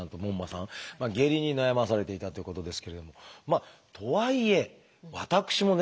下痢に悩まされていたということですけれどもとはいえ私もね